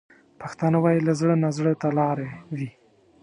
پښتانه وايي: له زړه نه زړه ته لارې وي.